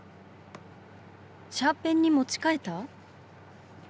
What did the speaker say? シャーペンに持ち替えた？